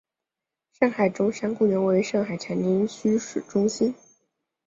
上海中山公园位于上海长宁区市中心。